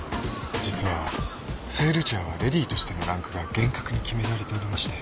実は聖ルチアは淑女としてのランクが厳格に決められておりまして。